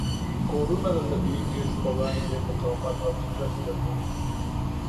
کورونه د طبیعي پیښو په وړاندې ډیر مقاومت او ټینګښت نه لري.